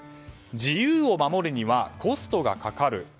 自由を守るにはコストがかかる。